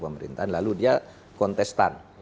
pemerintahan lalu dia kontestan